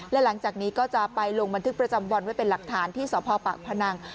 และหลังจากนี้ก็จะไปลงบันทึกประจำวันไว้เป็นหลักฐานที่สพปากพนัง